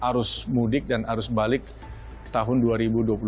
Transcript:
dalam rangka membantu pemudik yang membutuhkan perangkat yang disiapkan oleh kor lantas